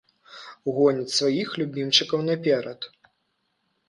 Гоняць сваіх любімчыкаў наперад.